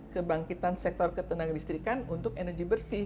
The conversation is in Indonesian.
kebangkitan sektor ketenaga listrikan untuk energi bersih